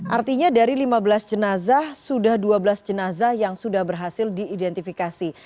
artinya dari lima belas jenazah sudah dua belas jenazah yang sudah berhasil diidentifikasi